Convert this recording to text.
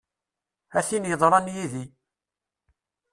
A tin yeḍran yid-i!